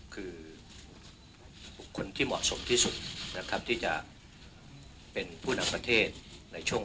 คือบุคคลที่เหมาะสมที่สุดนะครับที่จะเป็นผู้นำประเทศในช่วง